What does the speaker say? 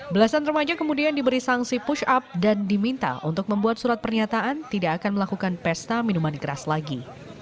belasan remaja kemudian diberi sanksi push up dan diminta untuk membuat surat pernyataan tidak akan melakukan pesta minuman keras lagi